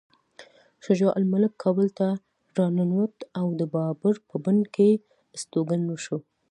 شجاع الملک کابل ته راننوت او د بابر په بڼ کې استوګن شو.